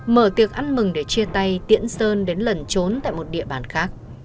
mở tiệc ăn mừng để chia tay tiễn sơn đến lẩn trốn tại một địa bàn khác